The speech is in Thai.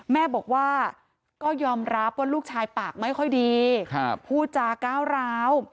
แม่บอกว่าก็ยอมรับว่าลูกชายปากไม่ค่อยดีพูดจาก้าวร้าว